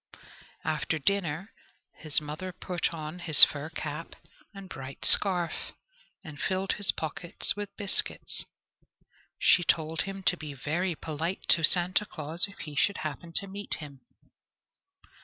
After dinner his mother put on his fur cap and bright scarf, and filled his pockets with biscuits. She told him to be very polite to Santa Claus if he should happen to meet him.